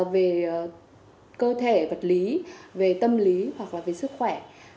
về cơ thể vật lý tâm lý hoặc sức khỏe